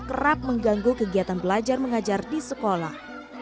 kerap mengganggu kegiatan belajar mengajar di sekolah